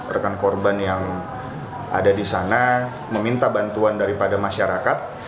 rekan korban yang ada di sana meminta bantuan daripada masyarakat